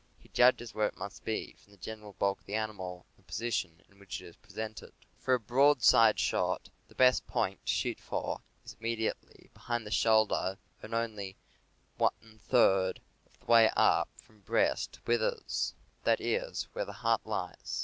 He judges where it must be, from the general bulk of the animal and the position in which it is presented. For a broadside shot, the best point to shoot for is immediately behind the shoulder and only one third of the way up from breast to withers — that is, where the heart lies.